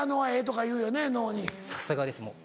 さすがですもう。